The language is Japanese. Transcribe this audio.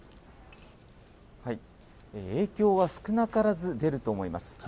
影響は少なからず出ると思います。